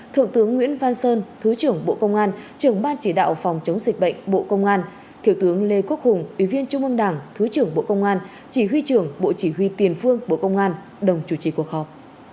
thượng tướng nguyễn văn sơn thứ trưởng bộ công an trưởng ban chỉ đạo phòng chống dịch bệnh bộ công an thiếu tướng lê quốc hùng ủy viên trung ương đảng thứ trưởng bộ công an chỉ huy trưởng bộ chỉ huy tiền phương bộ công an đồng chủ trì cuộc họp